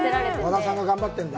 和田さんが頑張ってるんだ。